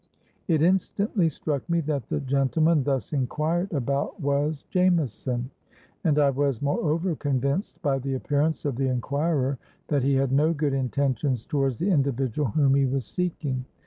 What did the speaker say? It instantly struck me that the gentleman thus enquired about was Jameson; and I was moreover convinced, by the appearance of the enquirer, that he had no good intentions towards the individual whom he was seeking.